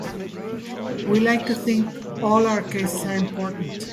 We like to think all our cases are important.